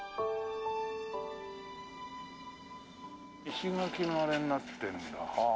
石垣があれになってるんだはあ。